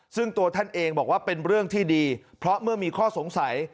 ซึ่งตัวท่านเองบอกว่าเป็นเรื่องที่ดีเพราะเมื่อมีข้อสงสัย